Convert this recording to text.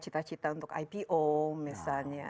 cita cita untuk ipo misalnya